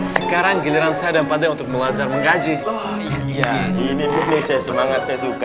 sekarang giliran saya dan pada untuk belajar menggaji ini semangat saya suka